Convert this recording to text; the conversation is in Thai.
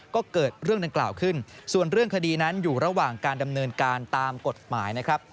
ก็เกิดเรื่องดังกล่าวขึ้นส่วนเรื่องคดีนั้นอยู่ระหว่างการดำเนินการตามกฎหมายนะครับ